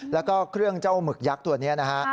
แล้วก็เครื่องเจ้าหมึกยักษ์ตัวนี้นะฮะ